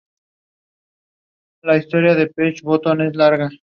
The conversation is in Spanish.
Estas plantas florecen generalmente desde finales de invierno hasta finales de primavera.